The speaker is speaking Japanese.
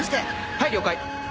はい了解！